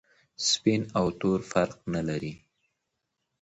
سپین او تور فرق نلري.